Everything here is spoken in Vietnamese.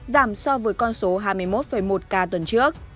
giảm so với con số hai mươi một một ca tuần trước